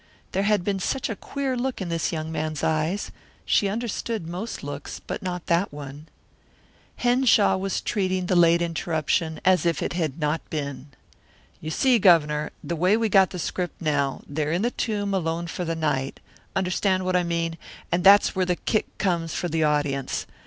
There had been such a queer look in this young man's eyes; she understood most looks, but not that one. Henshaw was treating the late interruption as if it had not been. "You see, Governor, the way we got the script now, they're in this tomb alone for the night understand what I mean and that's where the kick comes for the audience.